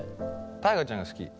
大我ちゃんが好き。